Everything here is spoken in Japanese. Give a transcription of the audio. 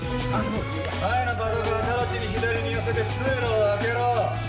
前のパトカー直ちに左に寄せて通路を空けろ！